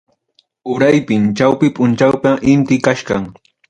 Uraypim, chawpi punchawpi inti kachkan.